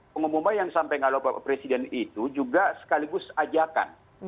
pengumuman yang sampai ngalau pak presiden itu juga sekaligus ajakan